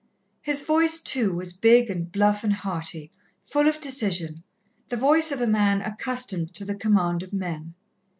His voice, too, was big and bluff and hearty, full of decision, the voice of a man accustomed to the command of men.